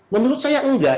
menurut saya enggak